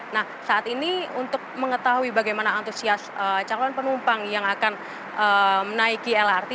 nah saat ini untuk mengetahui bagaimana antusias calon penumpang yang akan menaiki lrt